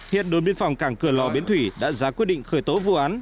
hiện đối biên phòng cảng cửa lò biến thủy đã ra quyết định khởi tố vụ án